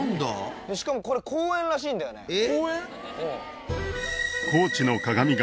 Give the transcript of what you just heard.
しかもこれ公園らしいんだよね